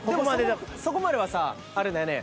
そこまではさあれだよね